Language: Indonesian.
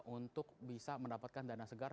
untuk bisa mendapatkan dana segar